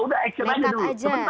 udah action aja dulu